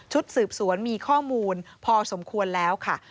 สืบสวนมีข้อมูลพอสมควรแล้วค่ะ